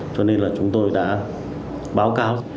cho nên là chúng tôi đã báo cáo